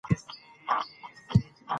ملالۍ خپل تل پاتې نوم په برخه کړی دی.